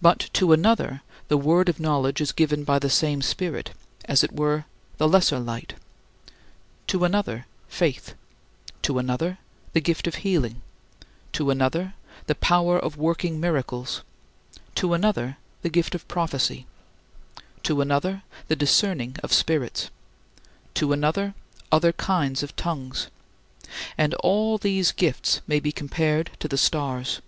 But to another the word of knowledge is given by the same Spirit (as it were, the "lesser light"); to another, faith; to another, the gift of healing; to another, the power of working miracles; to another, the gift of prophecy; to another, the discerning of spirits; to another, other kinds of tongues and all these gifts may be compared to "the stars."